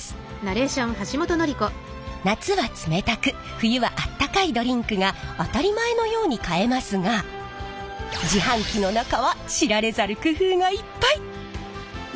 夏は冷たく冬はあったかいドリンクが当たり前のように買えますが自販機の中は知られざる工夫がいっぱい！